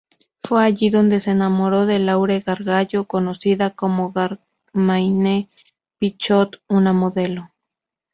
Fue allí dónde se enamoró de Laure Gargallo, conocida como Germaine Pichot, una modelo.